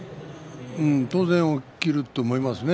当然起きると思います。